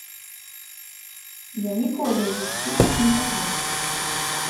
Я ніколі ў жыцці так не кажу.